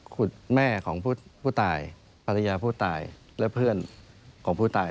คุณแม่ของผู้ตายภรรยาผู้ตายและเพื่อนของผู้ตาย